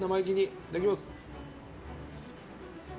いただきます。